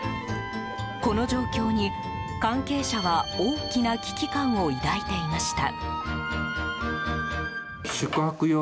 この状況に関係者は大きな危機感を抱いていました。